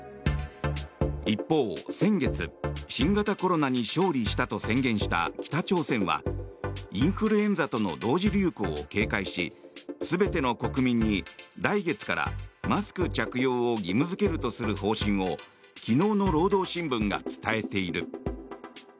一方、先月、新型コロナに勝利したと宣言した北朝鮮はインフルエンザとの同時流行を警戒し全ての国民に来月からマスク着用を義務付けるとする方針を昨日の労働新聞が伝えている。